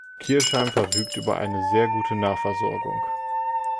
Kirchheim verfügt über eine sehr gute Nahversorgung.